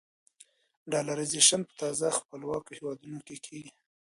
ډالرایزیشن په تازه خپلواکو هېوادونو کې کېږي.